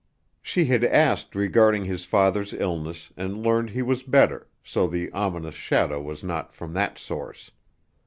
She had asked regarding his father's illness and learned he was better, so the ominous shadow was not from that source.